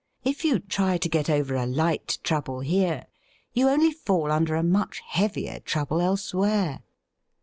If you try to get over a light trouble here, you only fall under a much heavier trouble elsewhere.